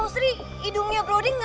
nge stress ya berdua ya